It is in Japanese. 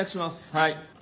はい。